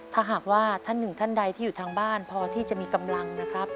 ถ้าหากว่าท่านหนึ่งท่านใดที่อยู่ทางบ้านพอที่จะมีกำลังนะครับ